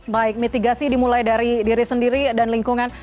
baik mitigasi dimulai dari diri sendiri dan lingkungan